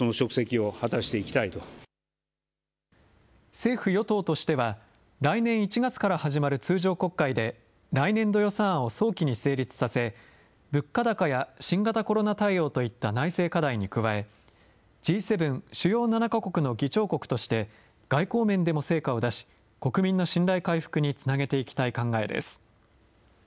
政府・与党としては、来年１月から始まる通常国会で来年度予算案を早期に成立させ、物価高や新型コロナ対応といった内政課題に加え、Ｇ７・主要７か国の議長国として外交面でも成果を出し、国民の信頼回復につなげていきたい考えです。